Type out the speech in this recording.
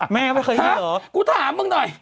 แม่เคยมาหรอฮะกูถามมึงหน่อย